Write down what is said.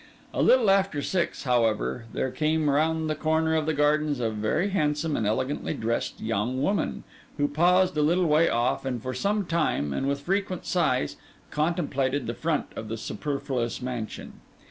A little after six, however, there came round the corner of the gardens a very handsome and elegantly dressed young woman, who paused a little way off, and for some time, and with frequent sighs, contemplated the front of the Superfluous Mansion.